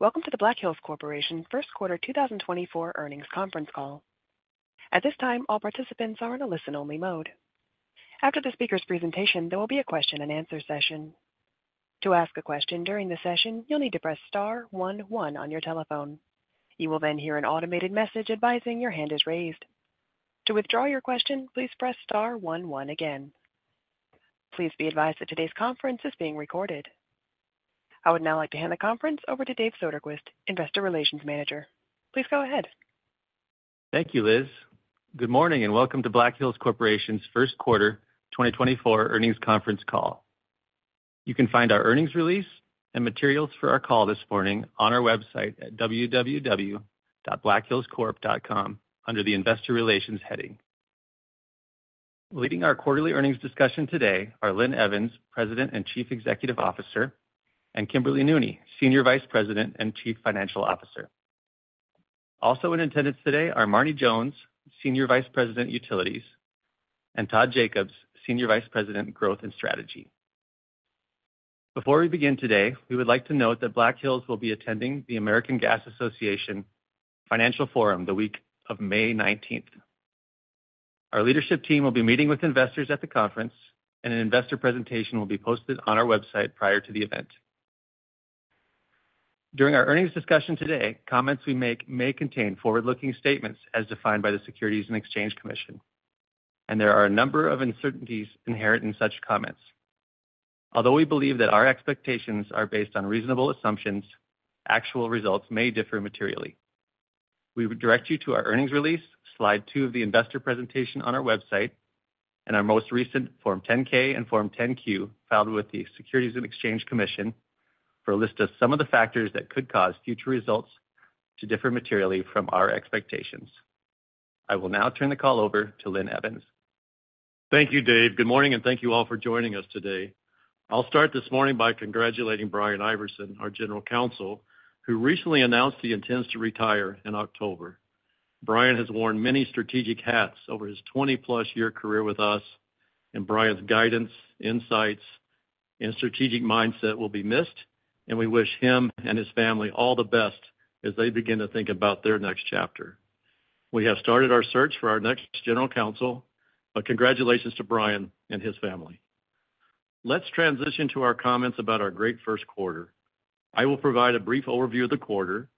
Welcome to the Black Hills Corporation first quarter 2024 earnings conference call. At this time, all participants are in a listen-only mode. After the speaker's presentation, there will be a question-and-answer session. To ask a question during the session, you'll need to press star 11 on your telephone. You will then hear an automated message advising your hand is raised. To withdraw your question, please press star one one again. Please be advised that today's conference is being recorded. I would now like to hand the conference over to Dave Soderquist, Investor Relations Manager. Please go ahead. Thank you, Liz. Good morning and welcome to Black Hills Corporation's first quarter 2024 earnings conference call. You can find our earnings release and materials for our call this morning on our website at www.blackhillscorp.com under the Investor Relations heading. Leading our quarterly earnings discussion today are Linn Evans, President and Chief Executive Officer, and Kimberly Nooney, Senior Vice President and Chief Financial Officer. Also in attendance today are Marne Jones, Senior Vice President Utilities, and Todd Jacobs, Senior Vice President Growth and Strategy. Before we begin today, we would like to note that Black Hills will be attending the American Gas Association Financial Forum the week of May 19th. Our leadership team will be meeting with investors at the conference, and an investor presentation will be posted on our website prior to the event. During our earnings discussion today, comments we make may contain forward-looking statements as defined by the Securities and Exchange Commission, and there are a number of uncertainties inherent in such comments. Although we believe that our expectations are based on reasonable assumptions, actual results may differ materially. We would direct you to our earnings release, slide two of the investor presentation on our website, and our most recent Form 10-K and Form 10-Q filed with the Securities and Exchange Commission for a list of some of the factors that could cause future results to differ materially from our expectations. I will now turn the call over to Linn Evans. Thank you, Dave. Good morning, and thank you all for joining us today. I'll start this morning by congratulating Brian Iverson, our General Counsel, who recently announced he intends to retire in October. Brian has worn many strategic hats over his 20+ year career with us, and Brian's guidance, insights, and strategic mindset will be missed, and we wish him and his family all the best as they begin to think about their next chapter. We have started our search for our next General Counsel, but congratulations to Brian and his family. Let's transition to our comments about our great first quarter. I will provide a brief overview of the quarter.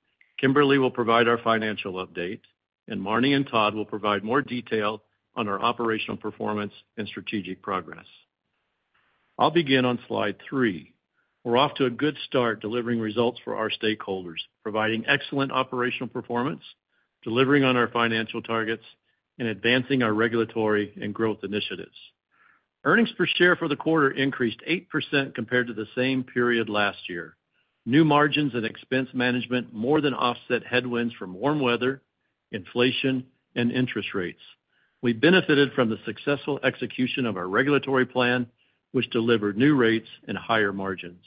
Kimberly will provide our financial update, and Marne and Todd will provide more detail on our operational performance and strategic progress. I'll begin on slide three. We're off to a good start delivering results for our stakeholders, providing excellent operational performance, delivering on our financial targets, and advancing our regulatory and growth initiatives. Earnings Per Share for the quarter increased 8% compared to the same period last year. New margins and expense management more than offset headwinds from warm weather, inflation, and interest rates. We benefited from the successful execution of our regulatory plan, which delivered new rates and higher margins.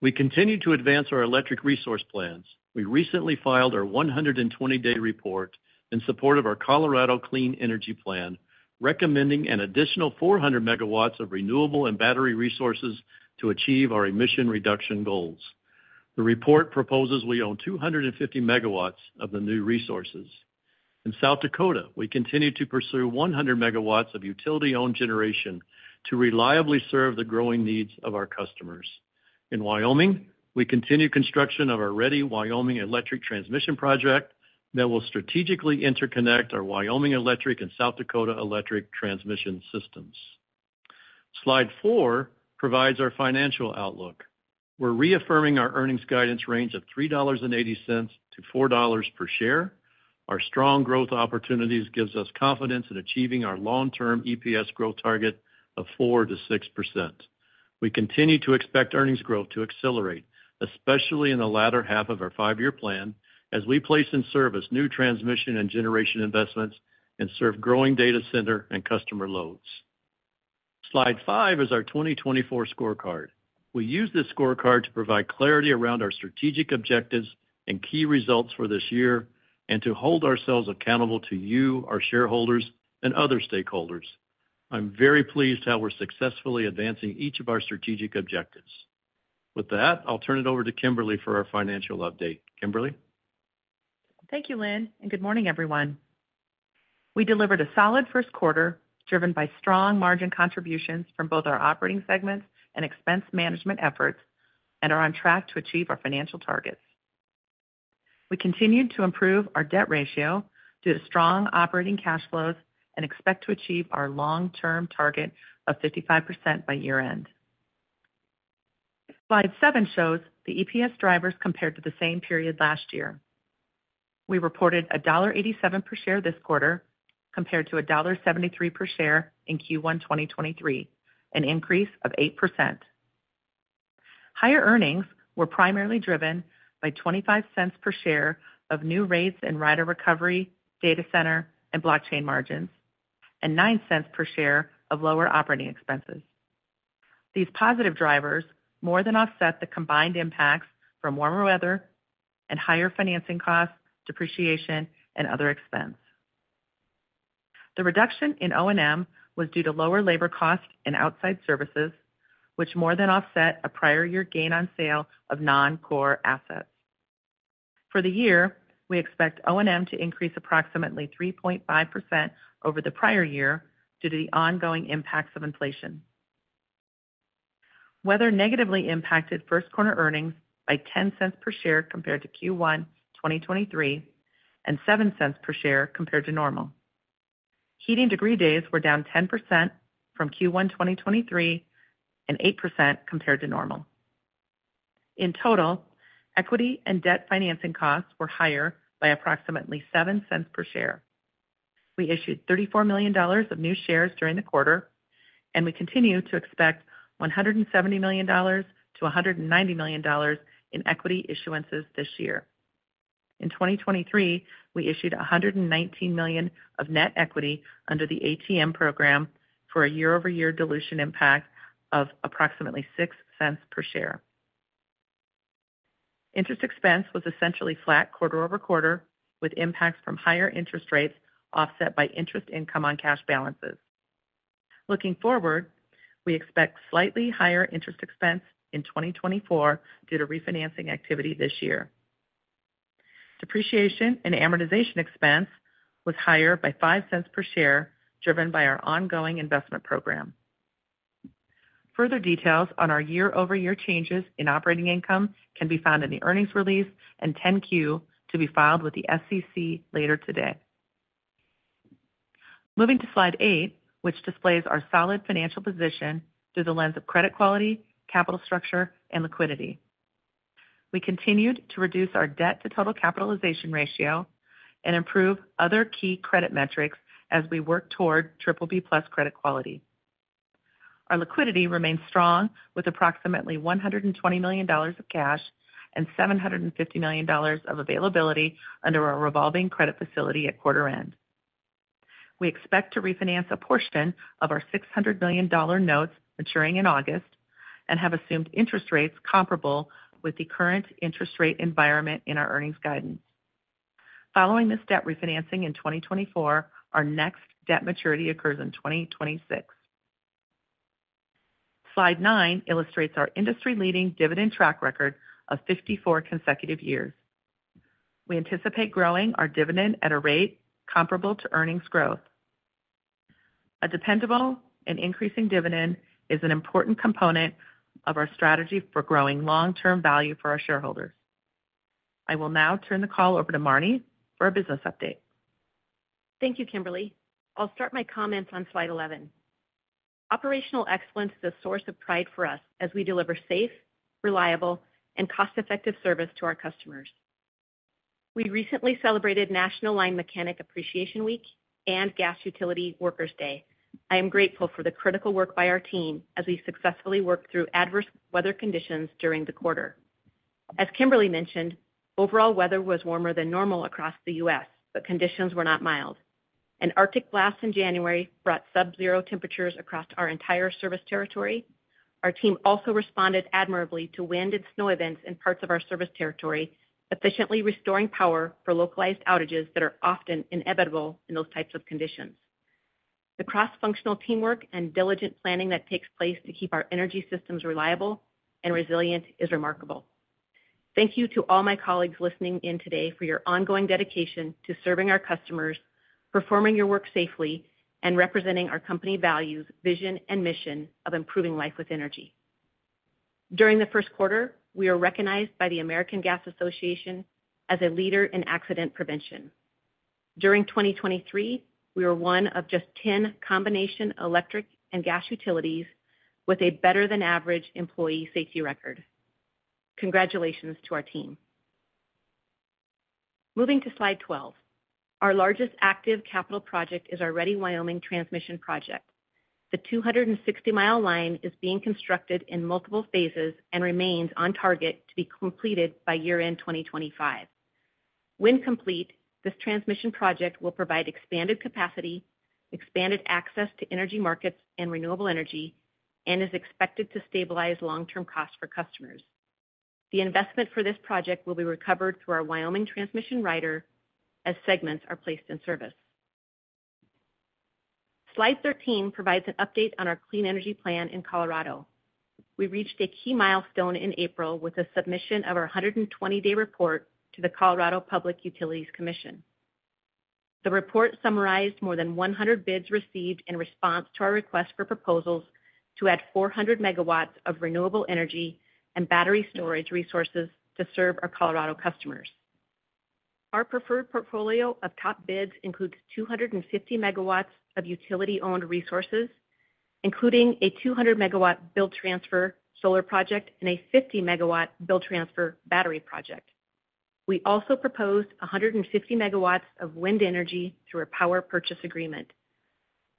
We continue to advance our electric resource plans. We recently filed our 120-Day Report in support of our Colorado Clean Energy Plan, recommending an additional 400 MW of renewable and battery resources to achieve our emission reduction goals. The report proposes we own 250 MW of the new resources. In South Dakota, we continue to pursue 100 MW of utility-owned generation to reliably serve the growing needs of our customers. In Wyoming, we continue construction of our Ready Wyoming electric transmission project that will strategically interconnect our Wyoming electric and South Dakota electric transmission systems. Slide four provides our financial outlook. We're reaffirming our earnings guidance range of $3.80-$4 per share. Our strong growth opportunities give us confidence in achieving our long-term EPS growth target of 4%-6%. We continue to expect earnings growth to accelerate, especially in the latter half of our five-year plan, as we place in service new transmission and generation investments and serve growing data center and customer loads. Slide five is our 2024 scorecard. We use this scorecard to provide clarity around our strategic objectives and key results for this year and to hold ourselves accountable to you, our shareholders, and other stakeholders. I'm very pleased how we're successfully advancing each of our strategic objectives. With that, I'll turn it over to Kimberly for our financial update. Kimberly? Thank you, Linn, and good morning, everyone. We delivered a solid first quarter driven by strong margin contributions from both our operating segments and expense management efforts and are on track to achieve our financial targets. We continue to improve our debt ratio due to strong operating cash flows and expect to achieve our long-term target of 55% by year-end. Slide seven shows the EPS drivers compared to the same period last year. We reported a $1.87 per share this quarter compared to a $1.73 per share in Q1 2023, an increase of 8%. Higher earnings were primarily driven by $0.25 per share of new rates in rider recovery, data center, and blockchain margins, and $0.09 per share of lower operating expenses. These positive drivers more than offset the combined impacts from warmer weather and higher financing costs, depreciation, and other expense. The reduction in O&M was due to lower labor costs and outside services, which more than offset a prior year gain on sale of non-core assets. For the year, we expect O&M to increase approximately 3.5% over the prior year due to the ongoing impacts of inflation. Weather negatively impacted first quarter earnings by $0.10 per share compared to Q1 2023 and $0.07 per share compared to normal. Heating degree days were down 10% from Q1 2023 and 8% compared to normal. In total, equity and debt financing costs were higher by approximately $0.07 per share. We issued $34 million of new shares during the quarter, and we continue to expect $170 million-$190 million in equity issuances this year. In 2023, we issued $119 million of net equity under the ATM program for a year-over-year dilution impact of approximately $0.06 per share. Interest expense was essentially flat quarter-over-quarter, with impacts from higher interest rates offset by interest income on cash balances. Looking forward, we expect slightly higher interest expense in 2024 due to refinancing activity this year. Depreciation and amortization expense was higher by $0.05 per share driven by our ongoing investment program. Further details on our year-over-year changes in operating income can be found in the earnings release and 10-Q to be filed with the SEC later today. Moving to slide eight, which displays our solid financial position through the lens of credit quality, capital structure, and liquidity. We continued to reduce our debt-to-total capitalization ratio and improve other key credit metrics as we worked toward BBB-plus credit quality. Our liquidity remains strong, with approximately $120 million of cash and $750 million of availability under our revolving credit facility at quarter-end. We expect to refinance a portion of our $600 million notes maturing in August and have assumed interest rates comparable with the current interest rate environment in our earnings guidance. Following this debt refinancing in 2024, our next debt maturity occurs in 2026. Slide nine illustrates our industry-leading dividend track record of 54 consecutive years. We anticipate growing our dividend at a rate comparable to earnings growth. A dependable and increasing dividend is an important component of our strategy for growing long-term value for our shareholders. I will now turn the call over to Marne for a business update. Thank you, Kimberly. I'll start my comments on slide 11. Operational excellence is a source of pride for us as we deliver safe, reliable, and cost-effective service to our customers. We recently celebrated National Line Mechanic Appreciation Week and Gas Utility Workers' Day. I am grateful for the critical work by our team as we successfully worked through adverse weather conditions during the quarter. As Kimberly mentioned, overall weather was warmer than normal across the U.S., but conditions were not mild. An Arctic blast in January brought sub-zero temperatures across our entire service territory. Our team also responded admirably to wind and snow events in parts of our service territory, efficiently restoring power for localized outages that are often inevitable in those types of conditions. The cross-functional teamwork and diligent planning that takes place to keep our energy systems reliable and resilient is remarkable. Thank you to all my colleagues listening in today for your ongoing dedication to serving our customers, performing your work safely, and representing our company values, vision, and mission of improving life with energy. During the first quarter, we were recognized by the American Gas Association as a leader in accident prevention. During 2023, we were one of just 10 combination electric and gas utilities with a better-than-average employee safety record. Congratulations to our team. Moving to slide 12. Our largest active capital project is our Ready Wyoming transmission project. The 260-mile line is being constructed in multiple phases and remains on target to be completed by year-end 2025. When complete, this transmission project will provide expanded capacity, expanded access to energy markets and renewable energy, and is expected to stabilize long-term costs for customers. The investment for this project will be recovered through our Wyoming transmission rider as segments are placed in service. Slide 13 provides an update on our clean energy plan in Colorado. We reached a key milestone in April with the submission of our 120-day report to the Colorado Public Utilities Commission. The report summarized more than 100 bids received in response to our request for proposals to add 400 MW of renewable energy and battery storage resources to serve our Colorado customers. Our preferred portfolio of top bids includes 250 MW of utility-owned resources, including a 200 MW build-transfer solar project and a 50 MW build-transfer battery project. We also proposed 150 MW of wind energy through a power purchase agreement.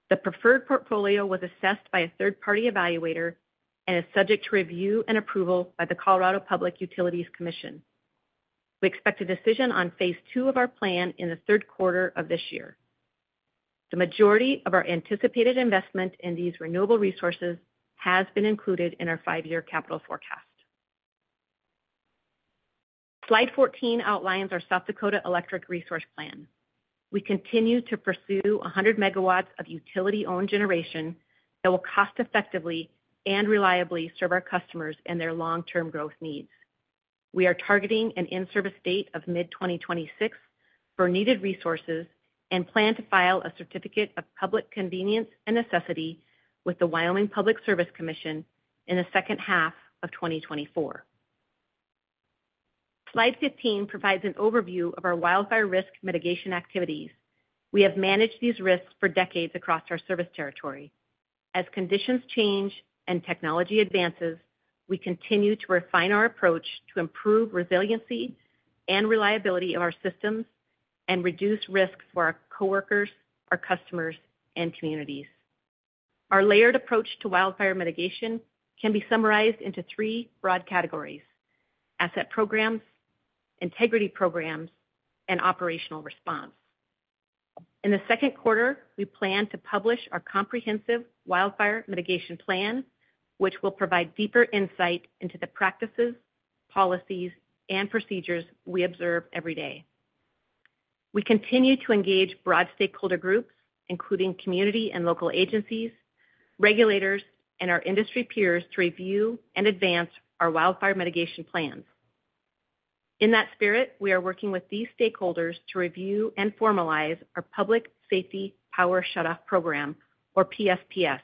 The preferred portfolio was assessed by a third-party evaluator and is subject to review and approval by the Colorado Public Utilities Commission. We expect a decision on phase II of our plan in the third quarter of this year. The majority of our anticipated investment in these renewable resources has been included in our five-year capital forecast. Slide 14 outlines our South Dakota electric resource plan. We continue to pursue 100 MW of utility-owned generation that will cost-effectively and reliably serve our customers and their long-term growth needs. We are targeting an in-service date of mid-2026 for needed resources and plan to file a Certificate of Public Convenience and Necessity with the Wyoming Public Service Commission in the second half of 2024. Slide 15 provides an overview of our wildfire risk mitigation activities. We have managed these risks for decades across our service territory. As conditions change and technology advances, we continue to refine our approach to improve resiliency and reliability of our systems and reduce risks for our coworkers, our customers, and communities. Our layered approach to wildfire mitigation can be summarized into three broad categories: asset programs, integrity programs, and operational response. In the second quarter, we plan to publish our comprehensive wildfire mitigation plan, which will provide deeper insight into the practices, policies, and procedures we observe every day. We continue to engage broad stakeholder groups, including community and local agencies, regulators, and our industry peers, to review and advance our wildfire mitigation plans. In that spirit, we are working with these stakeholders to review and formalize our Public Safety Power Shutoff Program, or PSPS,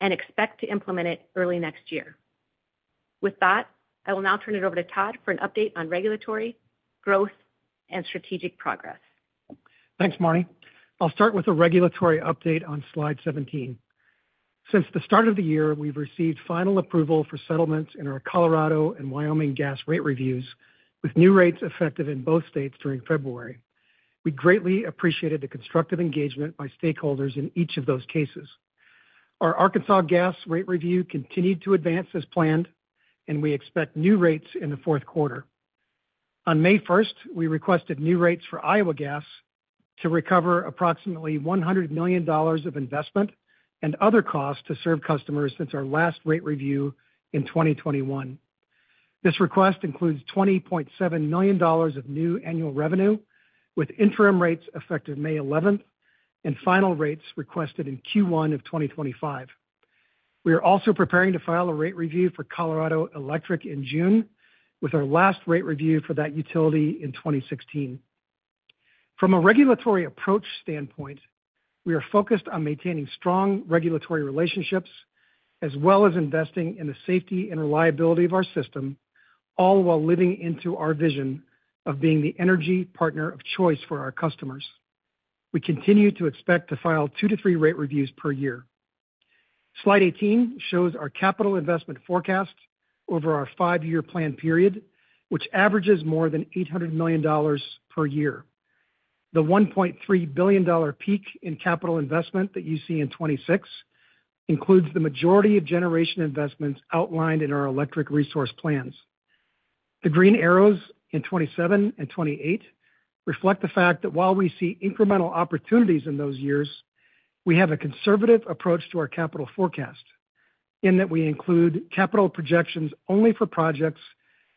and expect to implement it early next year. With that, I will now turn it over to Todd for an update on regulatory, growth, and strategic progress. Thanks, Marne. I'll start with a regulatory update on slide 17. Since the start of the year, we've received final approval for settlements in our Colorado and Wyoming gas rate reviews, with new rates effective in both states during February. We greatly appreciated the constructive engagement by stakeholders in each of those cases. Our Arkansas Gas rate review continued to advance as planned, and we expect new rates in the fourth quarter. On May 1st, we requested new rates for Iowa Gas to recover approximately $100 million of investment and other costs to serve customers since our last rate review in 2021. This request includes $20.7 million of new annual revenue, with interim rates effective May 11th and final rates requested in Q1 of 2025. We are also preparing to file a rate review for Colorado Electric in June, with our last rate review for that utility in 2016. From a regulatory approach standpoint, we are focused on maintaining strong regulatory relationships as well as investing in the safety and reliability of our system, all while living into our vision of being the energy partner of choice for our customers. We continue to expect to file two to three rate reviews per year. Slide 18 shows our capital investment forecast over our five-year plan period, which averages more than $800 million per year. The $1.3 billion peak in capital investment that you see in 2026 includes the majority of generation investments outlined in our electric resource plans. The green arrows in 2027 and 2028 reflect the fact that while we see incremental opportunities in those years, we have a conservative approach to our capital forecast in that we include capital projections only for projects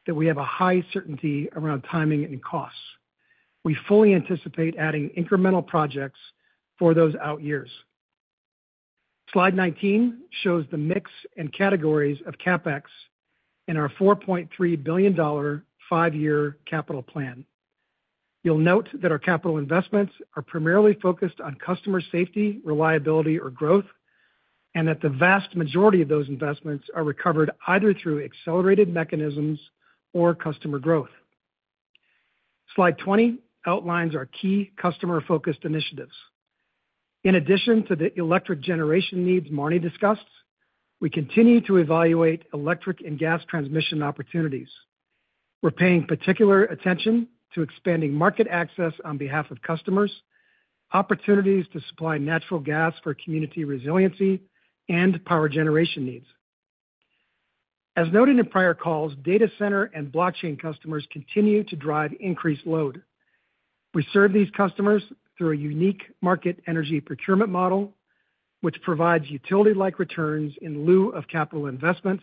that we have a high certainty around timing and costs. We fully anticipate adding incremental projects for those out years. Slide 19 shows the mix and categories of CapEx in our $4.3 billion five-year capital plan. You'll note that our capital investments are primarily focused on customer safety, reliability, or growth, and that the vast majority of those investments are recovered either through accelerated mechanisms or customer growth. Slide 20 outlines our key customer-focused initiatives. In addition to the electric generation needs Marne discussed, we continue to evaluate electric and gas transmission opportunities. We're paying particular attention to expanding market access on behalf of customers, opportunities to supply natural gas for community resiliency, and power generation needs. As noted in prior calls, data center and blockchain customers continue to drive increased load. We serve these customers through a unique market energy procurement model, which provides utility-like returns in lieu of capital investment,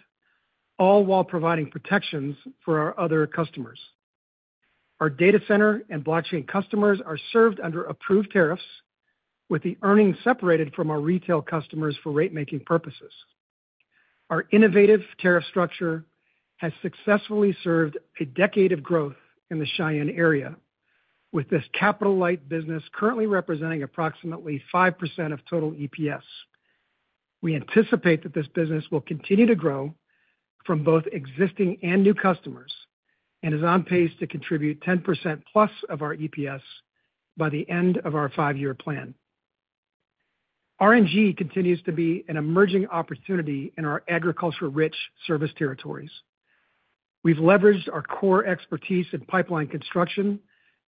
all while providing protections for our other customers. Our data center and blockchain customers are served under approved tariffs, with the earnings separated from our retail customers for rate-making purposes. Our innovative tariff structure has successfully served a decade of growth in the Cheyenne area, with this capital-light business currently representing approximately 5% of total EPS. We anticipate that this business will continue to grow from both existing and new customers and is on pace to contribute 10%+ of our EPS by the end of our five-year plan. RNG continues to be an emerging opportunity in our agriculture-rich service territories. We've leveraged our core expertise in pipeline construction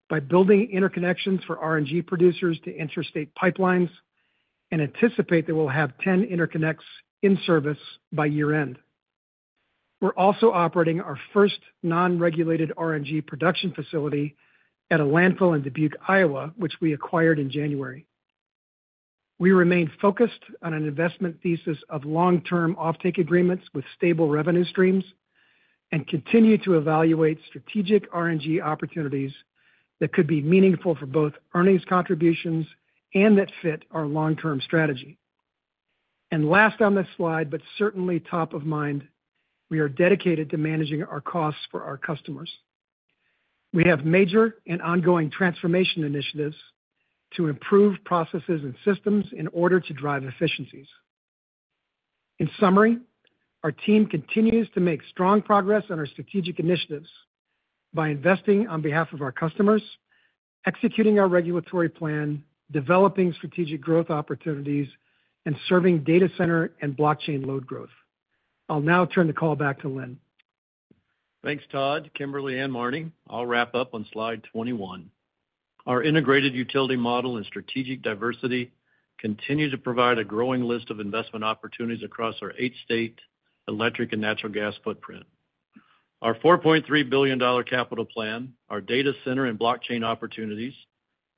by building interconnections for RNG producers to interstate pipelines and anticipate that we'll have 10 interconnects in service by year-end. We're also operating our first non-regulated RNG production facility at a landfill in Dubuque, Iowa, which we acquired in January. We remain focused on an investment thesis of long-term offtake agreements with stable revenue streams and continue to evaluate strategic RNG opportunities that could be meaningful for both earnings contributions and that fit our long-term strategy. Last on this slide, but certainly top of mind, we are dedicated to managing our costs for our customers. We have major and ongoing transformation initiatives to improve processes and systems in order to drive efficiencies. In summary, our team continues to make strong progress on our strategic initiatives by investing on behalf of our customers, executing our regulatory plan, developing strategic growth opportunities, and serving data center and blockchain load growth. I'll now turn the call back to Linn. Thanks, Todd, Kimberly, and Marne. I'll wrap up on slide 21. Our integrated utility model and strategic diversity continue to provide a growing list of investment opportunities across our eight-state electric and natural gas footprint. Our $4.3 billion capital plan, our data center and blockchain opportunities,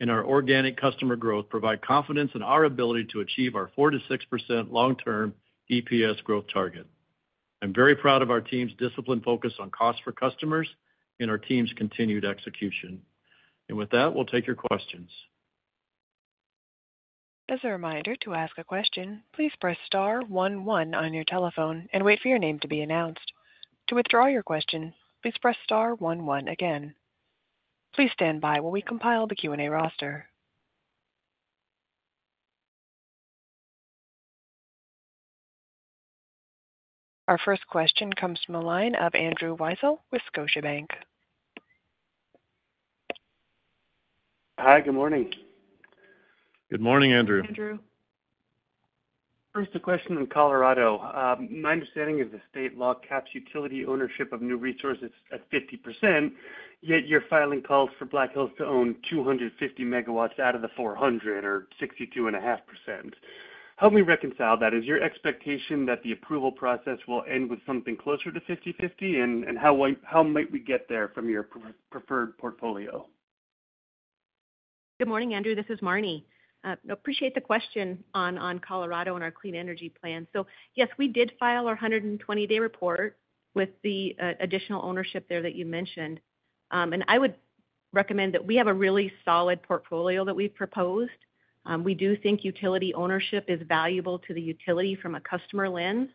and our organic customer growth provide confidence in our ability to achieve our 4%-6% long-term EPS growth target. I'm very proud of our team's discipline focus on costs for customers and our team's continued execution. With that, we'll take your questions. As a reminder, to ask a question, please press star one one on your telephone and wait for your name to be announced. To withdraw your question, please press star one one again. Please stand by while we compile the Q&A roster. Our first question comes from a line of Andrew Weisel with Scotiabank. Hi. Good morning. Good morning, Andrew. Andrew, first, a question in Colorado. My understanding is the state law caps utility ownership of new resources at 50%, yet your filing calls for Black Hills to own 250 MW out of the 400 or 62.5%. Help me reconcile that. Is your expectation that the approval process will end with something closer to 50/50, and how might we get there from your preferred portfolio? Good morning, Andrew. This is Marne. I appreciate the question on Colorado and our clean energy plan. So yes, we did file our 120-Day Report with the additional ownership there that you mentioned. And I would recommend that we have a really solid portfolio that we've proposed. We do think utility ownership is valuable to the utility from a customer lens,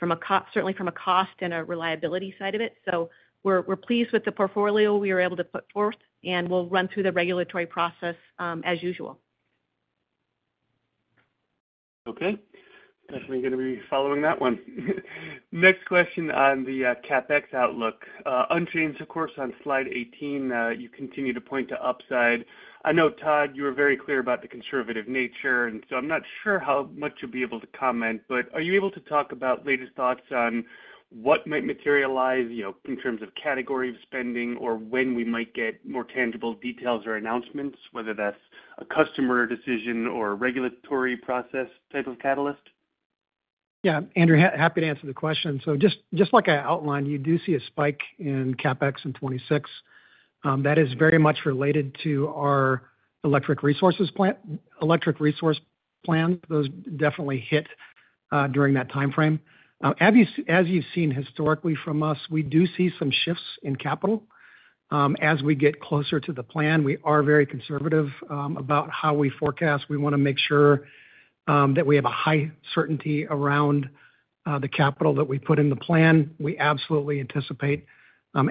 certainly from a cost and a reliability side of it. So we're pleased with the portfolio we were able to put forth, and we'll run through the regulatory process as usual. Okay. Definitely going to be following that one. Next question on the CapEx outlook. Unchanged, of course, on slide 18, you continue to point to upside. I know, Todd, you were very clear about the conservative nature, and so I'm not sure how much you'll be able to comment, but are you able to talk about latest thoughts on what might materialize in terms of category of spending or when we might get more tangible details or announcements, whether that's a customer decision or regulatory process type of catalyst? Yeah, Andrew. Happy to answer the question. So just like I outlined, you do see a spike in CapEx in 2026. That is very much related to our electric resource plans. Those definitely hit during that time frame. As you've seen historically from us, we do see some shifts in capital. As we get closer to the plan, we are very conservative about how we forecast. We want to make sure that we have a high certainty around the capital that we put in the plan. We absolutely anticipate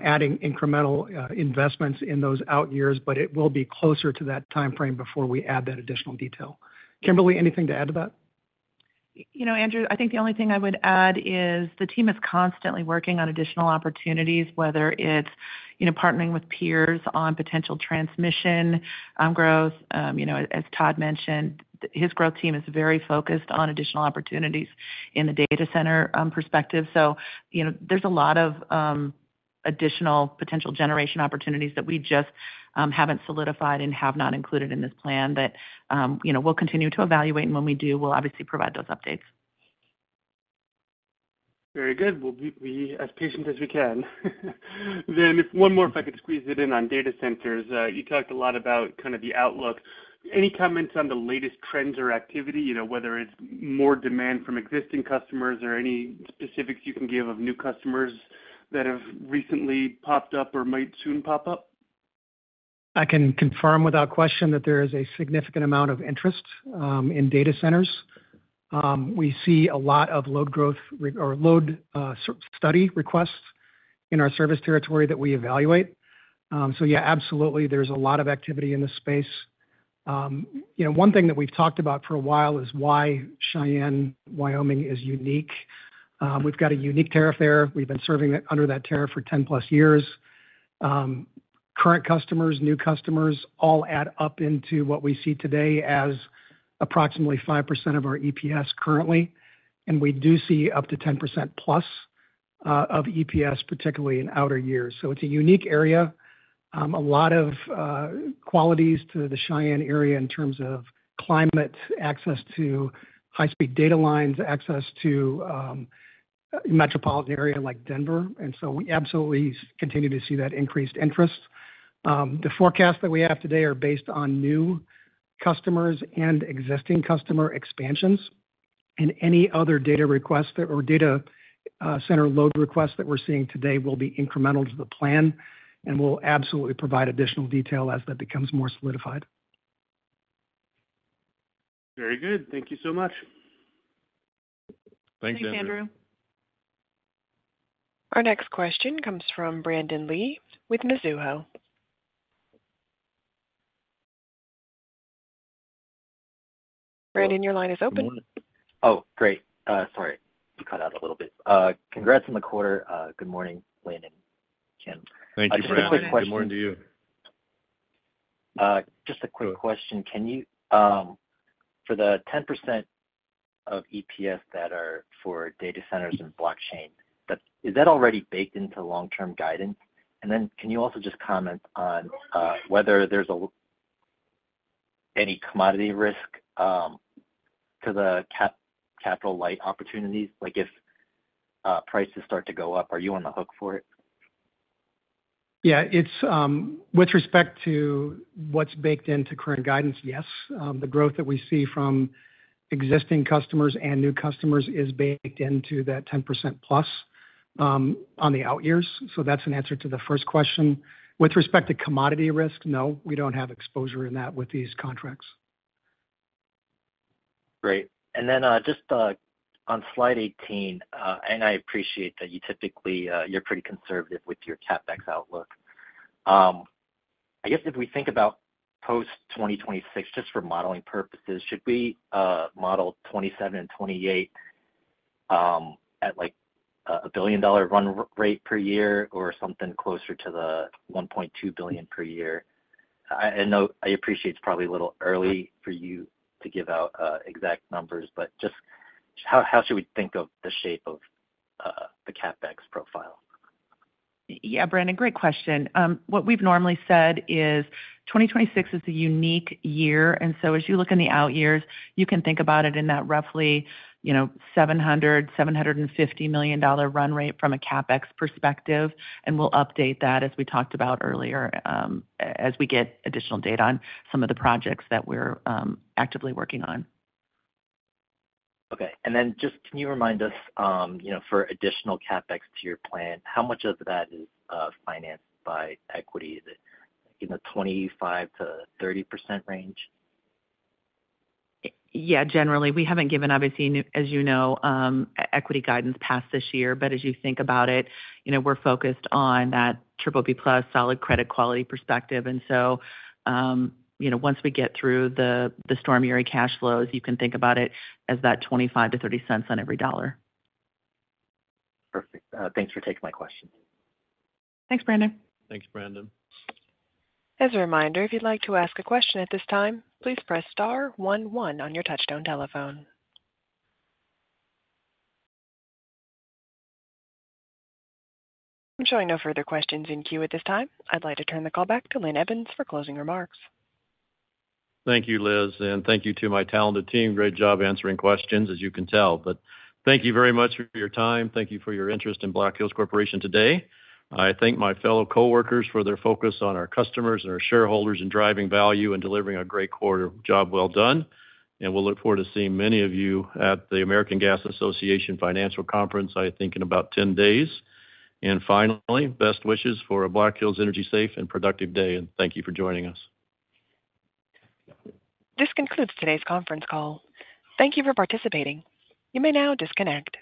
adding incremental investments in those out years, but it will be closer to that time frame before we add that additional detail. Kimberly, anything to add to that? Andrew, I think the only thing I would add is the team is constantly working on additional opportunities, whether it's partnering with peers on potential transmission growth. As Todd mentioned, his growth team is very focused on additional opportunities in the data center perspective. So there's a lot of additional potential generation opportunities that we just haven't solidified and have not included in this plan that we'll continue to evaluate, and when we do, we'll obviously provide those updates. Very good. We'll be as patient as we can. Then one more, if I could squeeze it in on data centers. You talked a lot about kind of the outlook. Any comments on the latest trends or activity, whether it's more demand from existing customers or any specifics you can give of new customers that have recently popped up or might soon pop up? I can confirm without question that there is a significant amount of interest in data centers. We see a lot of load growth or load study requests in our service territory that we evaluate. So yeah, absolutely, there's a lot of activity in the space. One thing that we've talked about for a while is why Cheyenne, Wyoming, is unique. We've got a unique tariff there. We've been serving under that tariff for 10+ years. Current customers, new customers, all add up into what we see today as approximately 5% of our EPS currently. And we do see up to 10%+ of EPS, particularly in outer years. So it's a unique area. A lot of qualities to the Cheyenne area in terms of climate, access to high-speed data lines, access to a metropolitan area like Denver. And so we absolutely continue to see that increased interest. The forecasts that we have today are based on new customers and existing customer expansions. Any other data requests or data center load requests that we're seeing today will be incremental to the plan and will absolutely provide additional detail as that becomes more solidified. Very good. Thank you so much. Thanks, Andrew. Thanks, Andrew. Our next question comes from Brandon Lee with Mizuho. Brandon, your line is open. Oh, great. Sorry. You cut out a little bit. Congrats on the quarter. Good morning, Linn and Kim. Thank you, Brandon. Good morning to you. Just a quick question. For the 10% of EPS that are for data centers and blockchain, is that already baked into long-term guidance? And then can you also just comment on whether there's any commodity risk to the capital-light opportunities? If prices start to go up, are you on the hook for it? Yeah. With respect to what's baked into current guidance, yes. The growth that we see from existing customers and new customers is baked into that 10% plus on the out years. So that's an answer to the first question. With respect to commodity risk, no, we don't have exposure in that with these contracts. Great. Then just on slide 18, I appreciate that you're pretty conservative with your CapEx outlook. I guess if we think about post-2026, just for modeling purposes, should we model 2027 and 2028 at a billion-dollar run rate per year or something closer to the $1.2 billion per year? I know, I appreciate it's probably a little early for you to give out exact numbers, but just how should we think of the shape of the CapEx profile? Yeah, Brandon, great question. What we've normally said is 2026 is a unique year. So as you look in the out years, you can think about it in that roughly $700 million-$750 million run rate from a CapEx perspective. We'll update that as we talked about earlier as we get additional data on some of the projects that we're actively working on. Okay. And then just can you remind us, for additional CapEx to your plan, how much of that is financed by equity? Is it in the 25%-30% range? Yeah, generally. We haven't given, obviously, as you know, equity guidance past this year. But as you think about it, we're focused on that BBB-plus solid credit quality perspective. And so once we get through the Storm Uri cash flows, you can think about it as that $0.25-$0.30on every dollar. Perfect. Thanks for taking my questions. Thanks, Brandon. Thanks, Brandon. As a reminder, if you'd like to ask a question at this time, please press star 11 on your touch-tone telephone. I'm showing no further questions in queue at this time. I'd like to turn the call back to Linn Evans for closing remarks. Thank you, Liz. Thank you to my talented team. Great job answering questions, as you can tell. Thank you very much for your time. Thank you for your interest in Black Hills Corporation today. I thank my fellow coworkers for their focus on our customers and our shareholders and driving value and delivering a great quarter. Job well done. We'll look forward to seeing many of you at the American Gas Association Financial Conference, I think, in about 10 days. Finally, best wishes for a Black Hills Energy safe and productive day. Thank you for joining us. This concludes today's conference call. Thank you for participating. You may now disconnect.